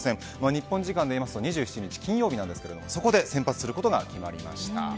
日本時間でいいますと２７日の金曜日ですがそこで先発することが決まりました。